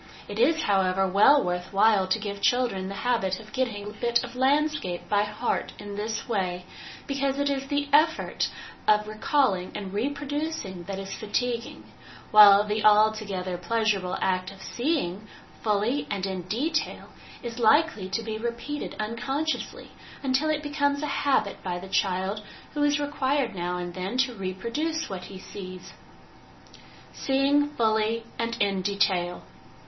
It is, however, well worth while to give children the habit of getting a bit of landscape by heart in this way, because it is the effort of recalling and reproducing that is fatiguing; while the altogether pleasurable act of seeing, fully and in detail, is likely to be repeated unconsciously until it becomes a habit by the child who is required now and then to reproduce what he sees. Seeing Fully and in Detail.